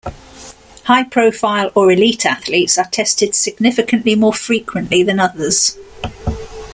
High-profile or elite athletes are tested significantly more frequently than others.